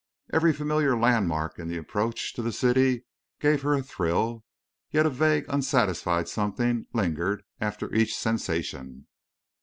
Every familiar landmark in the approach to the city gave her a thrill, yet a vague unsatisfied something lingered after each sensation.